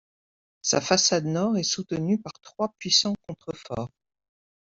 Sa façade nord est soutenue par trois puissants contreforts.